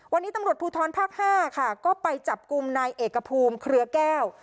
วันนี้ตำรวจภูทรภาค๕ค่ะก็ไปจับกลุ่มนายเอกภูมิเครือแก้ว